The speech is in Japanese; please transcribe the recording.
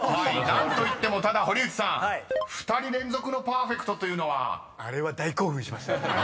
［何といってもただ堀内さん２人連続のＰＥＲＦＥＣＴというのは］あれは大興奮しました。